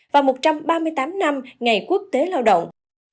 và một trăm ba mươi tám năm ngày quốc tế lao động